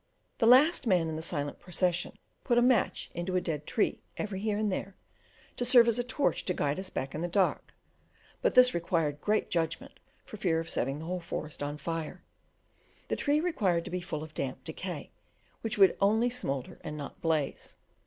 The last man in the silent procession put a match into a dead tree every here and there, to serve as a torch to guide us back in the dark; but this required great judgment for fear of setting the whole forest on fire: the tree required to be full of damp decay, which would only smoulder and not blaze.